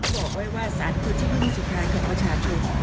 บอกไว้ว่าศาลคุณ๐๙๐๐สุทางกับประชาชน